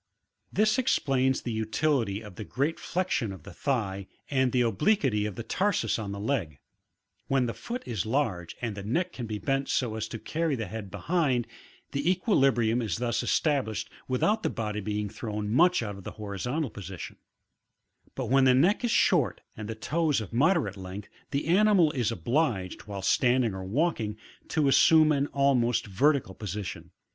This explains the utility of the great flexion of the thigh and the obliquity of the tarsus on the leg ; when the foot is large and the neck can be bent so as to carry the head behind, the equilibrium is thus established without, the body being thrown much out of the horizont^ position ; but when the neck is short and toes of moderate length, the animal is obliged, while standing or walking, to assume an almost vertical position.